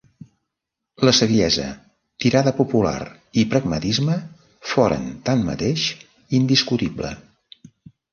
La saviesa, tirada popular i pragmatisme foren, tanmateix, indiscutible.